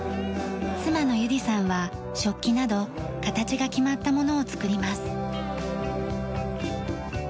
妻の由理さんは食器など形が決まったものを作ります。